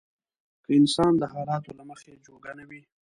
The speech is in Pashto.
که انسان د حالاتو له مخې جوګه نه وي.